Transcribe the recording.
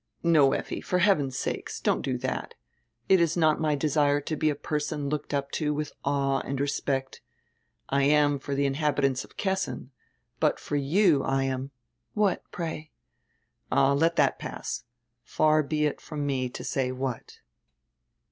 "No, Effi, for heaven's sake, don't do that. It is not my desire to be a person looked up to with awe and respect. I am, for the inhabitants of Kessin, but for you I am —" "What, pray?" "All, let that pass. Far be it from me to say what."